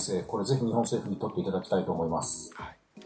これ、ぜひ日本政府に取っていただきたいと思います。